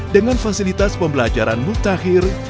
dengan fasilitas pembelajaran mutakhir